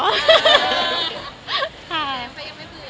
เดี๋ยวเขายังไม่เบื่อ